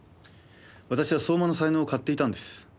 私は相馬の才能を買っていたんです。